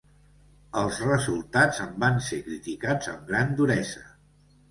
Els resultats en van ser criticats amb gran duresa.